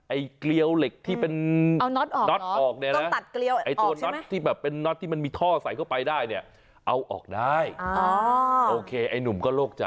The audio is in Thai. ไอ้เกลียวเหล็กที่เป็นน็อตออกเนี่ยนะตัวน็อตที่มันมีท่อใส่เข้าไปได้เนี่ยเอาออกได้โอเคไอ้หนุ่มก็โลกใจ